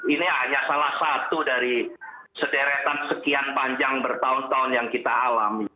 ini hanya salah satu dari sederetan sekian panjang bertahun tahun yang kita alami